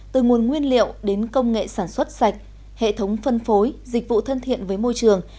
từ nguồn nguyên liệu đến công nghệ sản xuất sạch hệ thống phân phối dịch vụ thân thiện với môi trường